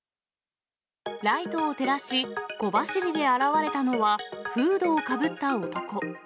ライトを照らし、小走りで現れたのは、フードをかぶった男。